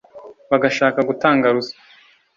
bagashaka gutanga ruswa